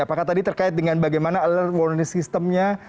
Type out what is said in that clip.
apakah tadi terkait dengan bagaimana alert warning system nya